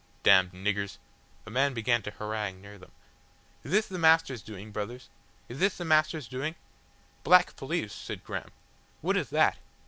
"Damned niggers." A man began to harangue near them. "Is this the Master's doing, brothers? Is this the Master's doing?" "Black police!" said Graham. "What is that?